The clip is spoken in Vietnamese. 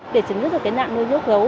để chấm dứt được cái nạn nuôi nước gấu